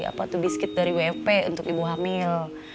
apa tuh biskit dari wfp untuk ibu hamil